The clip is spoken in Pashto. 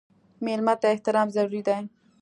مېلمه ته احترام ضروري دی.